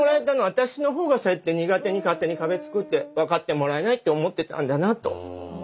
私のほうがそうやって苦手に勝手に壁作って分かってもらえないって思ってたんだなと。